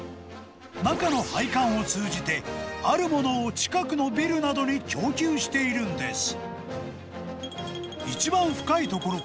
中の配管を通じて、あるものを近くのビルなどに供給しているんです。